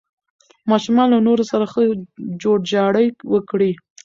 ماشومان له نورو سره ښه جوړجاړی وکړي.